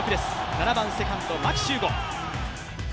７番セカンド・牧秀悟。